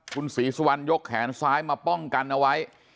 คุณศรีสุวรรณยกแขนซ้ายมาป้องกันเอาไว้